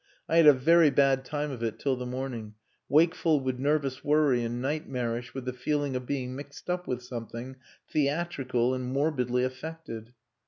I had a very bad time of it till the morning, wakeful with nervous worry and night marish with the feeling of being mixed up with something theatrical and morbidly affected.